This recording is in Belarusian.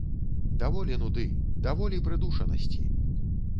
Даволі нуды, даволі прыдушанасці!